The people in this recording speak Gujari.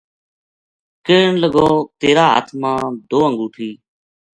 کہن لگو تیرا ہتھ ما دو انگوٹھی